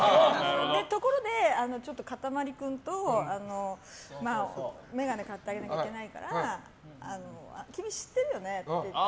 ところで、ちょっとかたまり君と眼鏡を買ってあげなきゃいけないから君、知ってるよねって。